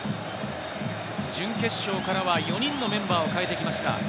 準決勝からは４人のメンバーを変えてきました。